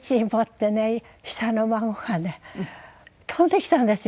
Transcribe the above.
下の孫がね飛んできたんですよ。